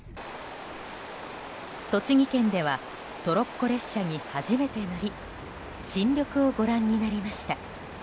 栃木県ではトロッコ列車に初めて乗り新緑をご覧になりました。